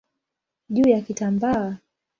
juu ya kitambaa.